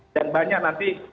dan banyak nanti